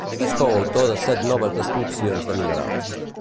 És coautor de set noves descripcions de minerals.